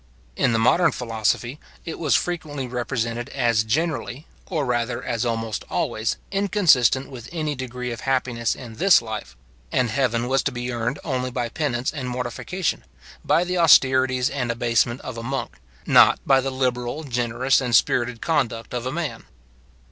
In the modern philosophy, it was frequently represented as generally, or rather as almost always, inconsistent with any degree of happiness in this life; and heaven was to be earned only by penance and mortification, by the austerities and abasement of a monk, not by the liberal, generous, and spirited conduct of a man.